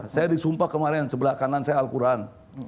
saya disumpah kemarin sebelah kanan saya al quran